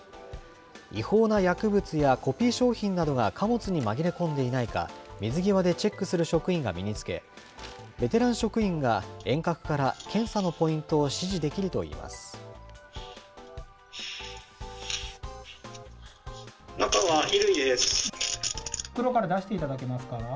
違法な薬物やコピー商品などが貨物に紛れ込んでいないか、水際でチェックする職員が身につけ、ベテラン職員が遠隔から検査のポイントを指示できるといいます。